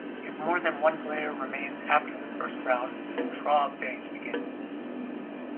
If more than one player remains after the first round, the "draw" phase begins.